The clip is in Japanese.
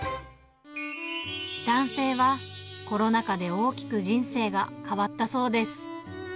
男性は、コロナ禍で大きく人生が変わったそうです。